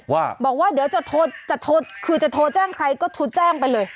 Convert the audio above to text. ว่าบอกว่าเดี๋ยวจะโทรจะโทรคือจะโทรแจ้งใครก็โทรแจ้งไปเลย